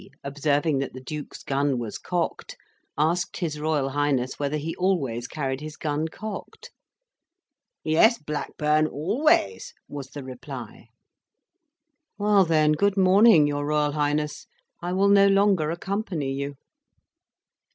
observing that the Duke's gun was cocked, asked his Royal Highness whether he always carried his gun cocked. "Yes, Blackburn, always," was the reply. "Well then, good morning, your Royal Highness; I will no longer accompany you."